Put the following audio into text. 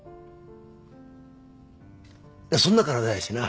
そんな体やしな。